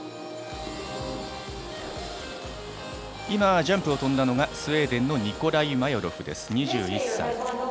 今、ジャンプを跳んだのがスウェーデンのニコライ・マヨロフ、２１歳。